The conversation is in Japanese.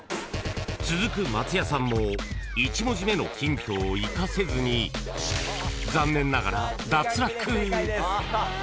［続く松也さんも１文字目のヒントを生かせずに残念ながら脱落］